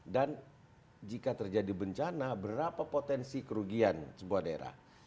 dan jika terjadi bencana berapa potensi kerugian sebuah daerah